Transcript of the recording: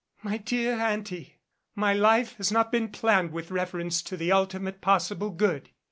"My dear Auntie, my life has not been planned with reference to the ultimate possible good.